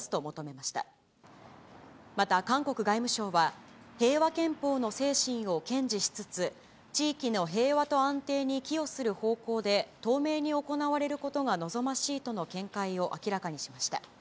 また韓国外務省は、平和憲法の精神を堅持しつつ、地域の平和と安定に寄与する方向で透明に行われることが望ましいとの見解を明らかにしました。